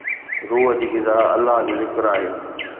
روح جي غذا الله جو ذڪر آهي.